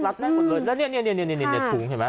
และเนี่ย